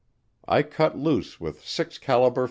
I cut loose with six caliber